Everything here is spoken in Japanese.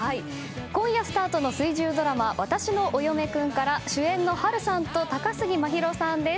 今夜スタートの水１０ドラマ「わたしのお嫁くん」から主演の波瑠さんと高杉真宙さんです。